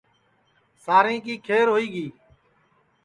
ساریں کی کھیر ہوئی گی